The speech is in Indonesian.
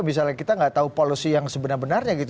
misalnya kita nggak tahu polisi yang sebenarnya gitu